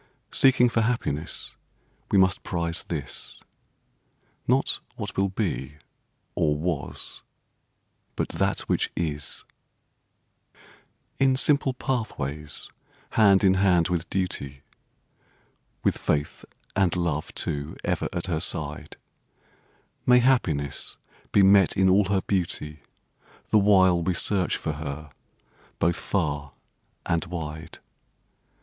Seeking for happiness we must prize this— Not what will be, or was, but that which is. In simple pathways hand in hand with duty (With faith and love, too, ever at her side), May happiness be met in all her beauty The while we search for her both far and wide.